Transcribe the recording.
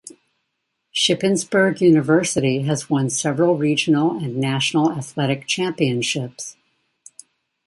Shippensburg University has won several regional and national athletic championships.